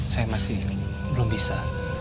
saya masih belum bisa